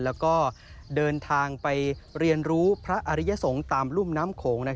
แล้วก็เดินทางไปเรียนรู้พระอริยสงฆ์ตามรุ่มน้ำโขง